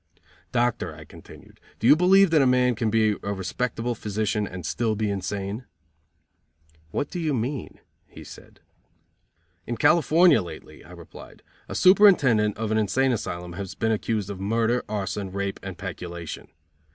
"Doctor," I continued, "do you believe that a man can be a respectable physician and still be insane?" "What do you mean?" he said. "In California lately," I replied, "A superintendent of an insane asylum has been accused of murder, arson, rape and peculation.